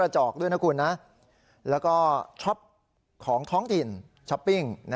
ช็อปปิ้งนะครับ